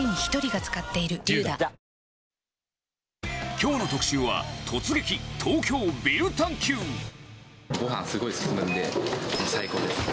きょうの特集は、ごはんすごい進むんで、もう最高です。